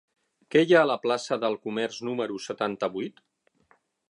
Què hi ha a la plaça del Comerç número setanta-vuit?